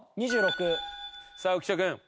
さあ浮所君。